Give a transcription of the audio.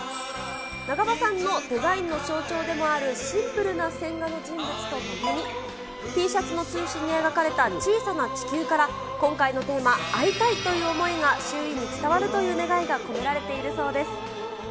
長場さんのデザインの象徴でもあるシンプルな線画のじんぶつとともにＴシャツの中心に描かれた小さな地球から今回のテーマ、会いたい！という思いが周囲に伝わるという願いが込められているそうです。